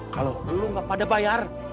kalau kamu tidak bayar